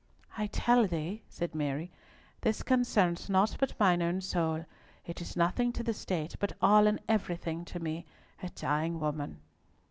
"I tell thee," said Mary, "this concerns naught but mine own soul. It is nothing to the State, but all and everything to me, a dying woman."